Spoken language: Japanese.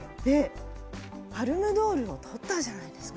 パルムドールを取ったじゃないですか。